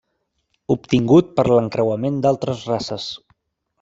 Obtingut per l'encreuament d'altres races.